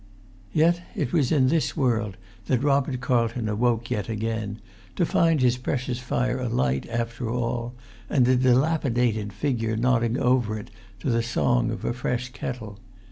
Yet it was in this world that Robert Carlton awoke yet again, to find his precious fire alight after all, and a dilapidated figure nodding over it to the song of a fresh kettle.